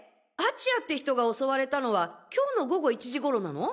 蜂谷って人が襲われたのは今日の午後１時頃なの？